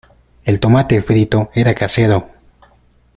El tomate frito era casero.